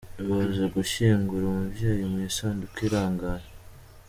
Ibaze gushyingura umubyeyi mu isanduku irangaye?.